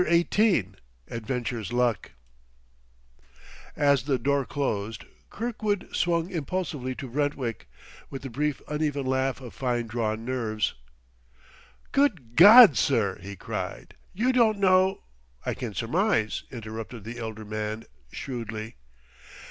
XVIII ADVENTURERS' LUCK As the door closed, Kirkwood swung impulsively to Brentwick, with the brief, uneven laugh of fine drawn nerves. "Good God, sir!" he cried. "You don't know " "I can surmise," interrupted the elder man shrewdly.